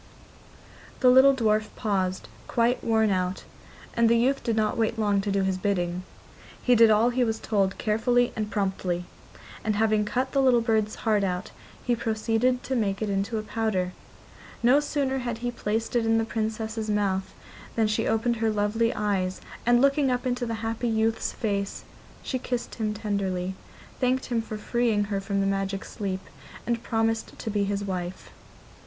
The little dwarf paused, quite worn out, and the youth did not wait long to do his bidding. He did all he was told carefully and promptly, and having cut the little bird's heart out he proceeded to make it into a powder. No sooner had he placed it in the Princess's mouth than she opened her lovely eyes, and, looking up into the happy youth's face, she kissed him tenderly, thanked him for freeing her from her magic sleep, and promised to be his wife.